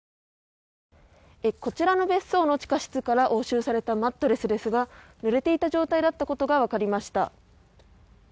こちらの別荘の地下室から押収されたマットレスですがぬれていた状態だったことが分かりました。